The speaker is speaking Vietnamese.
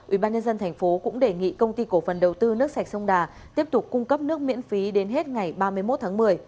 ubnd tp cũng đề nghị công ty cổ phần đầu tư nước sạch sông đà tiếp tục cung cấp nước miễn phí đến hết ngày ba mươi một tháng một mươi